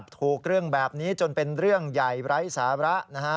ถูกเรื่องแบบนี้จนเป็นเรื่องใหญ่ไร้สาระนะฮะ